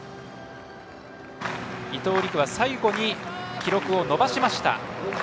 伊藤陸は最後に記録を伸ばしました。